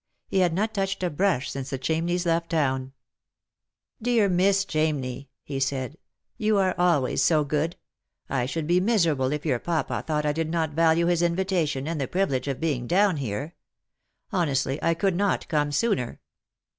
He had not touched a brush since the Chamneys left town. " Dear Miss Chamney," he said, " you are always so good. I should be miserable if your papa thought I did not value his invitation and the privilege of being down here. Honestly, I could not come sooner."